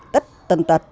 tất tần tật